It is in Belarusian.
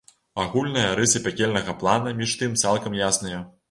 Агульныя рысы пякельнага плана між тым цалкам ясныя.